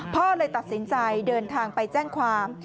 พ่อเลยตัดสินใจเดินทางไปแจ้งความ